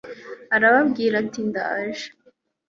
arababwira ati ndaje